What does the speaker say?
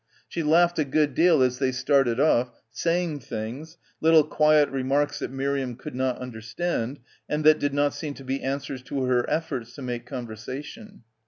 She laughed a good deal as they started off, saying things, little quiet remarks that Miriam could not understand and that did not seem to be answers to her efforts to make conversation.